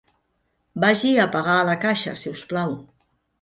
Vagi a pagar a la caixa, si us plau.